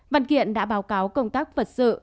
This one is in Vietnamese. văn kiện đã báo cáo công tác vật sự